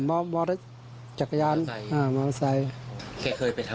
อย่างงี้อ่ามอเตอร์จักรยานอ่ามอเตอร์ไซค์แค่เคยไปทำ